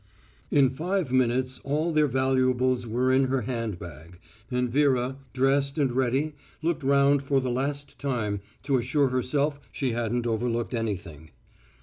In five minutes all their valuables were in her hand bag, and Vera, dressed and ready, looked round for the last time to assure herself she hadn't overlooked anything.